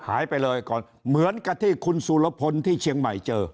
หายไปเลยก่อนเหมือนกับที่คุณสุรพลที่เชียงใหม่เจอ